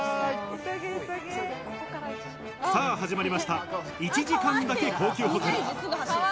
さぁ始まりました、１時間だけ高級ホテル。